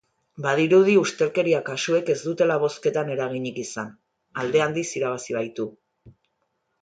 Badirudi ustelkeria kasuek ez dutela bozketan eraginik izan, alde handiz irabazi baitu.